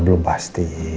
ma belum pasti